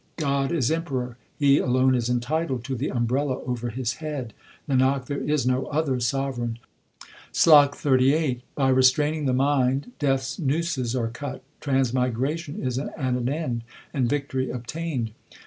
God is emperor ; He alone is entitled to the umbrella over His head : Nanak, there is no other sovereign. SLOK XXXVIII By restraining the mind Death s nooses are cut, trans migration is at an end, and victory obtained.